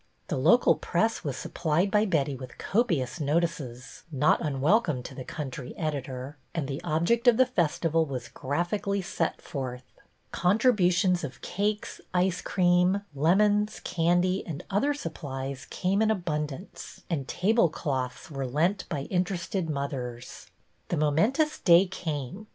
The local press was supplied by Betty with copious notices — not unwelcome to the country editor — and the object of the festival was graphically set forth. Contribu tions of cakes, ice cream, lemons, candy, and other supplies came in abundance, and table cloths were lent by interested mothers. The momentous day came.